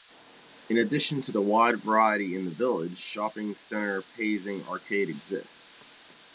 In addition to the wide variety in the village shopping center Pasing Arcade exists.